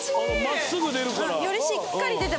真っすぐ出るから。